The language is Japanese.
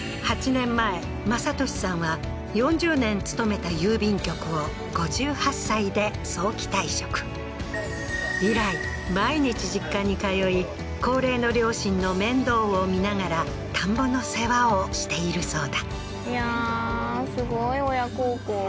８年前政利さんは４０年勤めた郵便局を５８歳で早期退職以来毎日実家に通い高齢の両親の面倒を見ながら田んぼの世話をしているそうだいやー